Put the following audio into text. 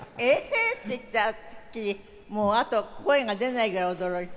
言ったきりもうあと声が出ないぐらい驚いた。